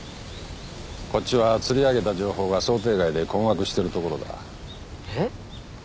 こっちは釣り上げた情報が想定外で困惑してるところだえっ？